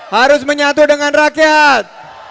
harus menyatu dengan rakyat